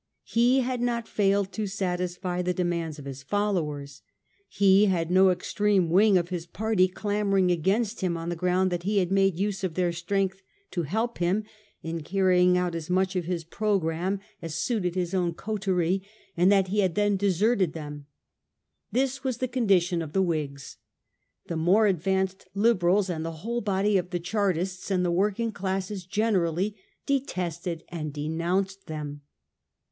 He had not failed to satisfy the demands of his followers. He had no extreme wing of his party clamouring against him on the ground that he had made use of their strength to help him in carrying out as much of his programme as 128 A HISTORY OF OUR OWN TIMES. OH. VI. suited Ms own coterie, and that he had then deserted them. TMs was the condition of the "WMgs. The more advanced Liberals and the whole body of the Chartists, and the working classes generally, detested and denounced them.